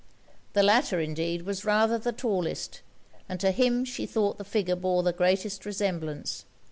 The latter, indeed, was rather the tallest, and to him she thought the figure bore the greatest resemblance.